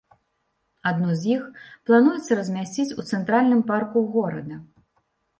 Адно з іх плануецца размясціць у цэнтральным парку горада.